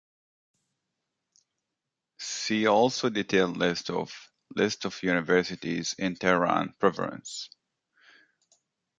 "See also detailed list of: List of universities in Tehran Province".